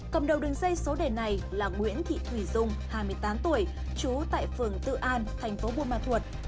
cầm đầu đường dây số đề này là nguyễn thị thủy dung hai mươi tám tuổi trú tại phường tự an thành phố buôn ma thuột